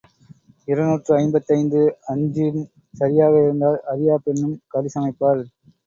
இருநூற்று ஐம்பத்தைந்து அஞ்சும் சரியாக இருந்தால் அறியாப் பெண்ணும் கறிசமைப்பாள்.